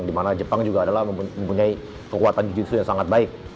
dimana jepang juga mempunyai kekuatan jiu jitsu yang sangat baik